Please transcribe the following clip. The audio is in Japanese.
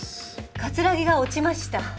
葛城が落ちました。